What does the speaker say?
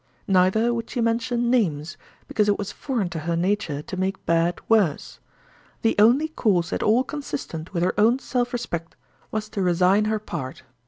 Neither would she mention names, because it was foreign to her nature to make bad worse. The only course at all consistent with her own self respect was to resign her part.